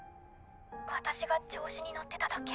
私が調子に乗ってただけ。